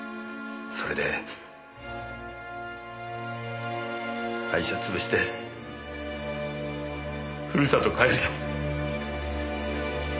それで会社潰してふるさと帰るよ。